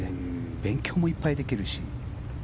勉強もいっぱいできるし。